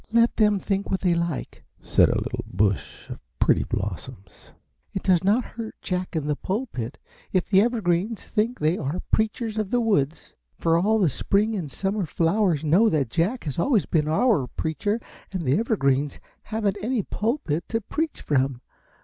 "Let them think what they like," said a little bush of pretty blossoms. "It does not hurt Jack in the pulpit if the Evergreens think they are the preachers of the woods, for all the spring and summer flowers know that Jack has always been our preacher and the Evergreens haven't any pulpit to preach from.